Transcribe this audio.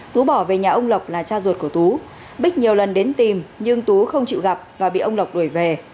tú bỏ về nhà ông lộc là cha ruột của tú bích nhiều lần đến tìm nhưng tú không chịu gặp và bị ông lộc đuổi về